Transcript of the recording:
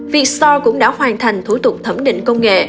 vietsore cũng đã hoàn thành thủ tục thẩm định công nghệ